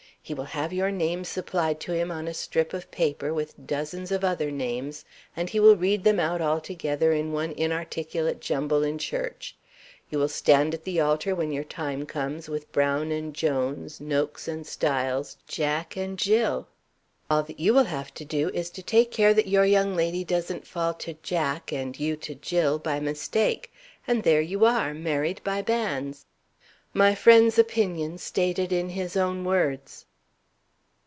He will have your names supplied to him on a strip of paper, with dozens of other names; and he will read them out all together in one inarticulate jumble in church. You will stand at the altar when your time comes, with Brown and Jones, Nokes and Styles, Jack and Gill. All that you will have to do is, to take care that your young lady doesn't fall to Jack, and you to Gill, by mistake and there you are, married by banns.' My friend's opinion, stated in his own words."